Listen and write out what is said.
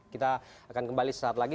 kita akan kembali sesaat lagi